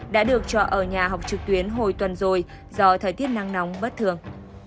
đã được cho ở nhà học trực tuyến hồi tuần rồi do thời tiết nắng nóng bất thường